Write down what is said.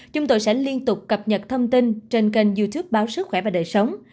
chúng tôi sẽ liên tục cập nhật thông tin trên kênh youtube báo sức khỏe và đời sống